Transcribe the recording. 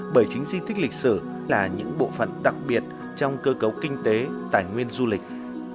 bởi chính di tích lịch sử là những bộ phận đặc biệt trong cơ cấu kinh tế tài nguyên du lịch